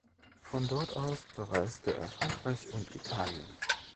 Von dort aus bereiste er Frankreich und Italien.